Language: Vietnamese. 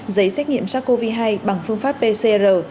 giấy xét nghiệm sars cov hai bằng phương pháp pcr